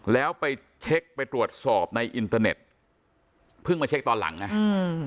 แล้วไปเช็คไปตรวจสอบในอินเตอร์เน็ตเพิ่งมาเช็คตอนหลังไงอืม